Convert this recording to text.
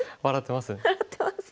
笑ってます。